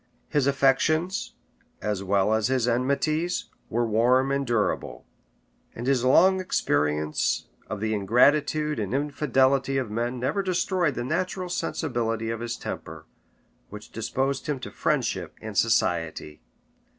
His affections, as well as his enmities, were warm and durable; and his long experience of the ingratitude and infidelity of men never destroyed the natural sensibility of his temper, which disposed him to friendship and society.